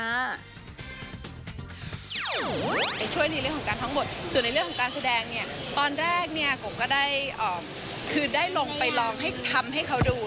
ไปช่วยในเรื่องของการท้องบทส่วนในเรื่องของการแสดงเนี่ยตอนแรกเนี่ยกบก็ได้คือได้ลงไปลองให้ทำให้เขาดู